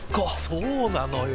そうなのよ。